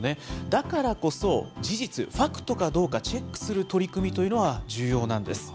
だからこそ、事実、ファクトかどうかチェックする取り組みというのは重要なんです。